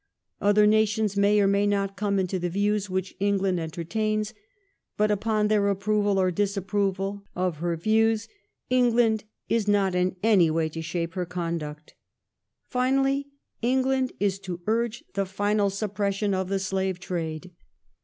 Other nations may or may not come into the views which England enter tains : but upon their approval or disapproval of her views, England is not in any way to shape her conduct," Finally, England is to urge the final suppression of the slave trade.